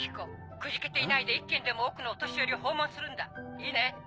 くじけていないで１軒でも多くのお年寄りを訪問するんだいいね？